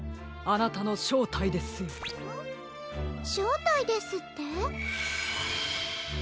しょうたいですって？